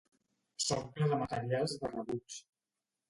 S'omple de materials de rebuig.